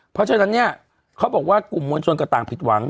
เพราะฉะนั้นเนี่ยเขาบอกว่ากลุ่มมวลชนก็ต่างผิดหวัง